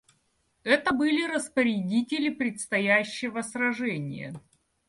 Это были распорядители предстоящего сражения.